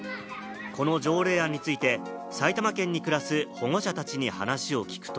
この条例案について、埼玉県に暮らす保護者たちに話を聞くと。